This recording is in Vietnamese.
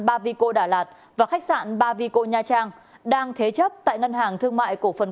ba vico đà lạt và khách sạn ba vico nha trang đang thế chấp tại ngân hàng thương mại cổ phần